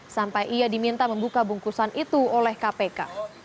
sampai ia diminta membuka bungkusan itu oleh kpk